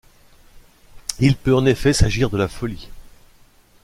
Il peut en effet s'agir de la folie.